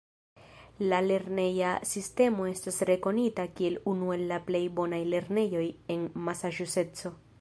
La lerneja sistemo estas rekonita kiel unu el la plej bonaj lernejoj en Masaĉuseco.